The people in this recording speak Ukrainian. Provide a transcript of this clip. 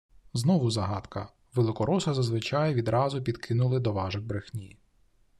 Знову загадка! Великороси зазвичай відразу підкинули «доважок брехні»